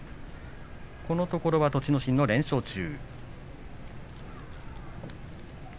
このところは栃ノ心の連勝中。